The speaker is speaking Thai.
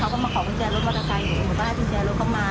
เขาก็มาขอปัญแจรถวัตกาลหนูก็ให้ปัญแจรถเข้ามา